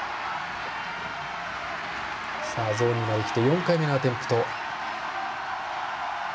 ゾーン２まできて４回目のアテンプト。